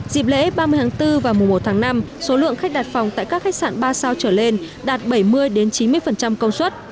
dịp lễ ba mươi tháng bốn và mùa một tháng năm số lượng khách đặt phòng tại các khách sạn ba sao trở lên đạt bảy mươi chín mươi công suất